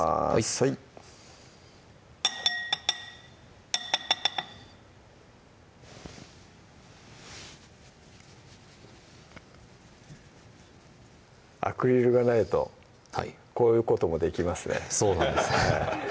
はいアクリルがないとこういうこともできますねそうなんです